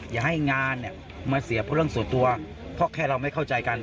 อย่าให้งานเนี่ยมาเสียเพราะเรื่องส่วนตัวเพราะแค่เราไม่เข้าใจกัน